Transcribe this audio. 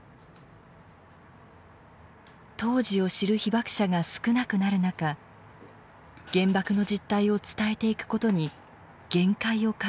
当時を知る被爆者が少なくなる中原爆の実態を伝えていくことに限界を感じ始めていました。